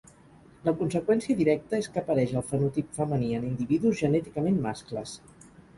La conseqüència directa és que apareix el fenotip femení en individus genèticament mascles.